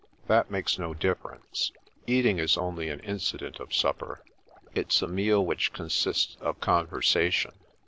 That makes no difference. Eating is only an incident of supper. It's a meal which consists of conversation.